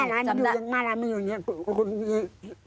หน้าร้านไม่อยู่อย่างนี้